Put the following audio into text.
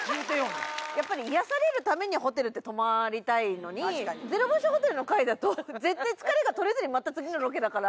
癒やされるためにホテルって泊まりたいのに「ゼロ星ホテル」の回だと絶対疲れが取れずにまた次のロケだから。